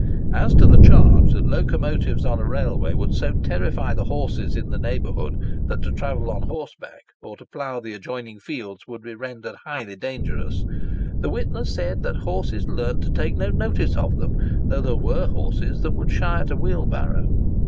As to the charge that locomotives on a railroad would so terrify the horses in the neighbourhood, that to travel on horseback or to plough the adjoining fields would be rendered highly dangerous, the witness said that horses learnt to take no notice of them, though there were horses that would shy at a wheelbarrow.